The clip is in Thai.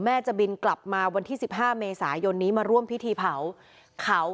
จะบินกลับมาวันที่๑๕เมษายนนี้มาร่วมพิธีเผาเขา